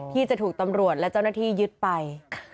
ที่จะถูกตำรวจและเจ้าหน้าที่ยึดไป